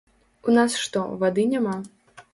У нас што, вады няма?